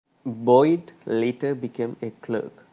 Boyd later became a clerk.